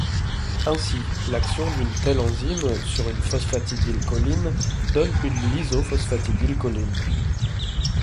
Ainsi, l'action d'une telle enzyme sur une phosphatidylcholine donne une lysophosphatidylcholine.